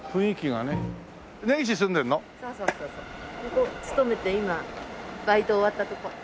ここ勤めて今バイト終わったとこ。